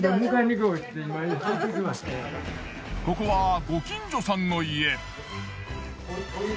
ここはご近所さんの家。